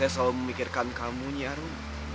aku selalu memikirkan kamu nyi arum